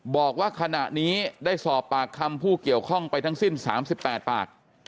บอกว่าขณะนี้ได้สอบปากคำผู้เกี่ยวข้องไปทั้งสิ้น๓๘ปาก